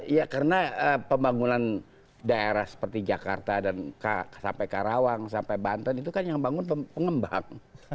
ya karena pembangunan daerah seperti jakarta dan sampai karawang sampai banten itu kan yang bangun pengembang